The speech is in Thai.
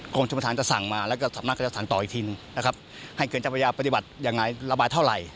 กรมชมธารจะสั่งมาแล้วก็ต่ออีกทีนึงให้เขื่อนเจ้าพระยาปฏิบัติยังไงระบายเท่าไหร่